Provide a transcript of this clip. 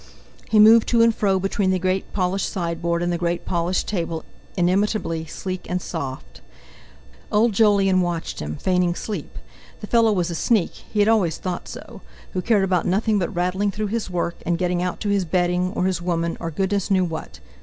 He moved to and fro between the great polished sideboard and the great polished table inimitably sleek and soft. Old Jolyon watched him, feigning sleep. The fellow was a sneak—he had always thought so—who cared about nothing but rattling through his work, and getting out to his betting or his woman or goodness knew what!